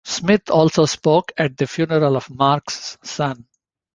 Smith also spoke at the funeral of Marks's son.